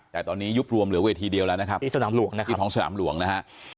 แต่ตอนนี้ยุบรวมเหลือเวทีเดียวแล้วนะครับที่สนามหลวงนะครับที่ท้องสนามหลวงนะฮะ